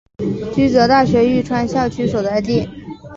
驹泽大学玉川校区所在地。